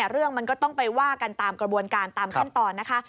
เรื่องมันก็ต้องไปว่ากันตามกระบวนการตามขั้นตอนนะคะ